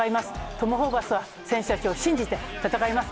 トム・ホーバスは選手たちを信じて戦います。